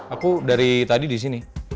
aku dari tadi disini